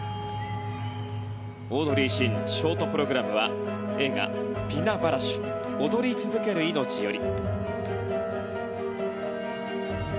オードリー・シンショートプログラムは映画「Ｐｉｎａ／ピナ・バウシュ踊り続けるいのち」より。